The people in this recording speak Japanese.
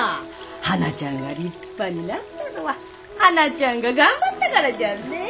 はなちゃんが立派になったのははなちゃんが頑張ったからじゃんねえ。